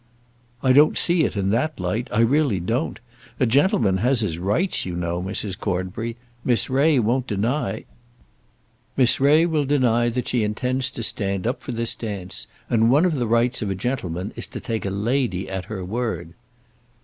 "I don't see it in that light, I really don't. A gentleman has his rights you know, Mrs. Cornbury. Miss Ray won't deny " "Miss Ray will deny that she intends to stand up for this dance. And one of the rights of a gentleman is to take a lady at her word."